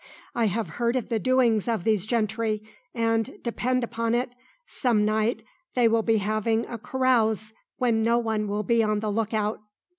I have heard of the doings of these gentry, and, depend upon it, some night they will be having a carouse when no one will be on the look out."